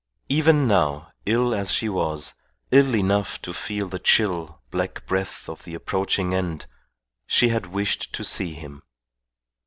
Even now, ill as she was, ill enough to feel the chill, black breath of the approaching end, she had wished to see him.